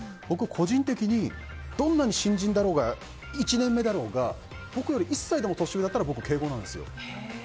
個人的にどんなに新人だろうが１年目だろうが僕より１歳でも年上だったら僕、敬語なんですよ。